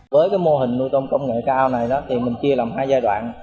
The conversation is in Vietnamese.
với cái mô hình nuôi tôm công nghệ cao này thì mình chia làm hai giai đoạn